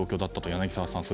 柳澤さん。